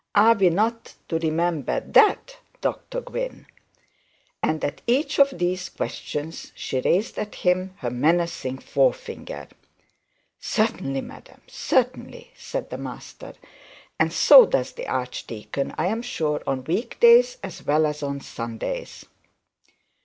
Are we not to remember that, Dr Gwynne?' And at each of these questions she raised at him a menacing forefinger. 'Certainly, madam, certainly,' said the master, 'and so does the archdeacon, I am sure, on week days as well as on Sundays.'